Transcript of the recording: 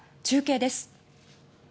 中継です。